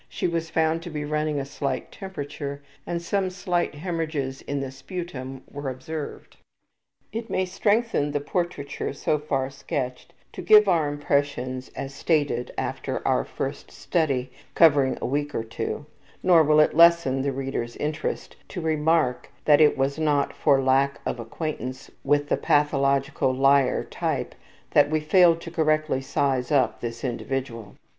(She was found to be running a slight temperature, and some slight hemorrhages in the sputum were observed.) It may strengthen the portraiture so far sketched to give our impressions as stated after our first study covering a week or two; nor will it lessen the reader's interest to remark that it was not for lack of acquaintance with the pathological liar type that we failed to correctly size up this individual.